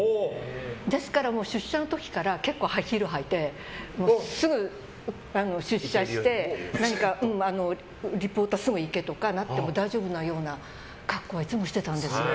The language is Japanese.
ですから、出社の時からハイヒール履いて出社してリポートすぐ行けとかなっても大丈夫なような格好をいつもしていたんですよ。